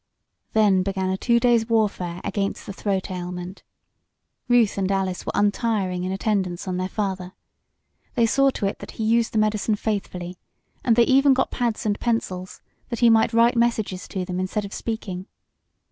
Then began a two days' warfare against the throat ailment. Ruth and Alice were untiring in attendance on their father. They saw to it that he used the medicine faithfully, and they even got pads and pencils that he might write messages to them instead of speaking.